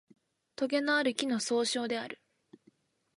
とげのある木の総称である